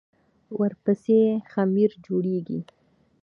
ورپسې خمیر جوړېږي.